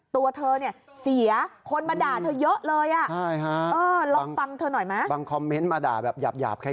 ตัวเธอเสียคนมาด่าเธอเยอะเลย